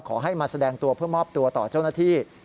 ขอให้มาแสดงตัวเพื่อมอบตัวต่อเจ้าหน้าที่